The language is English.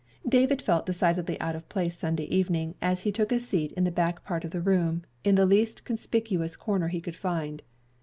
David felt decidedly out of place Sunday evening as he took a seat in the back part of the room, in the least conspicuous corner he could find.